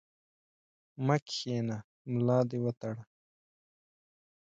مه کښېنه ، ملا دي وتړه!